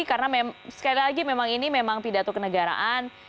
karena sekali lagi memang ini memang pidato kenegaraan